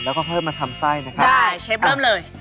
แล้วก็เพิ่มมาทำไส้นะครับใช่เชฟเริ่มเลย